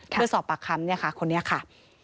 เพื่อสอบปากคำคนนี้ค่ะ